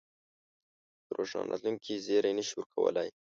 د روښانه راتلونکې زېری نه شي ورکولای.